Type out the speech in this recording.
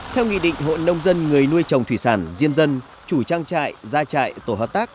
theo nghị định hội nông dân người nuôi trồng thủy sản diêm dân chủ trang trại gia trại tổ hợp tác